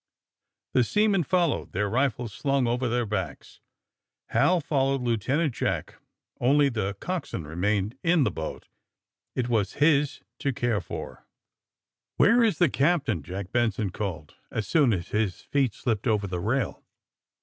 The seamen followed, their rifles slung over their backs. Hal followed Lieutenant Jack. Only the cox swain remained in the boat. It was his to care for. AND THE SMUGGLEES 125 Where is the captain?" Jack Benson called, as soon as his feet slipped over the rail.